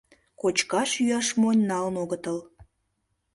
Кочкаш-йӱаш монь налын огытыл.